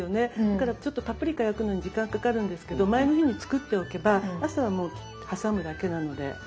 だからちょっとパプリカ焼くのに時間かかるんですけど前の日に作っておけば朝はもう挟むだけなので。